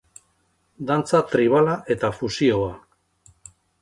Dantza tribala eta fusioa.